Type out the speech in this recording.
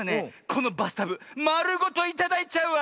このバスタブまるごといただいちゃうわ。